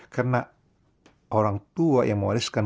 karena orang tua yang mewariskan